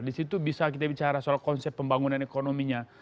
disitu bisa kita bicara soal konsep pembangunan ekonominya